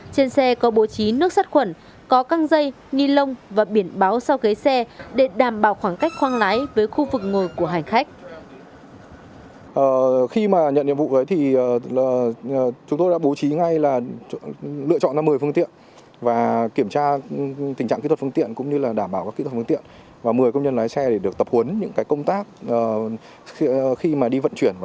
trên xe có bố trí nước sắt khuẩn có căng dây ni lông và biển báo sau ghế xe để đảm bảo khoảng cách khoang lái với khu vực ngồi của hành khách